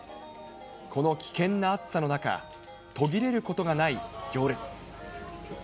この危険な暑さの中、途切れることがない行列。